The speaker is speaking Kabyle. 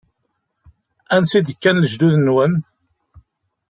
Ansi d-kkan lejdud-nwen?